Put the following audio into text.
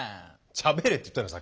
しゃべれって言ったよさっき。